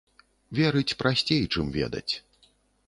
Верыць прасцей, чым ведаць.